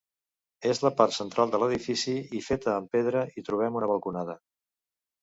En la part central de l'edifici, i feta amb pedra, hi trobem una balconada.